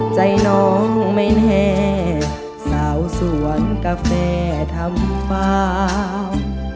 ใจน้องไม่แน่สาวสวนกาแฟทำฟ้า